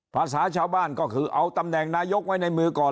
ภาษาชาวบ้านก็คือเอาตำแหน่งนายกไว้ในมือก่อน